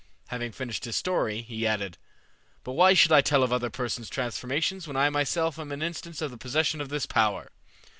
Having finished his story, he added, "But why should I tell of other persons' transformations when I myself am an instance of the possession of this power?